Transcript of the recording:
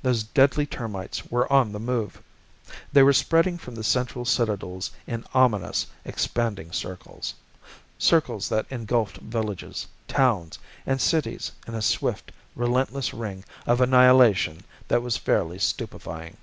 Those deadly termites were on the move! They were spreading from their central citadels in ominous, expanding circles circles that engulfed villages, towns and cities in a swift, relentless ring of annihilation that was fairly stupefying.